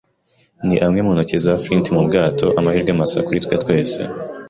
ni amwe mu ntoki za Flint mu bwato; amahirwe masa kuri twe twese. ”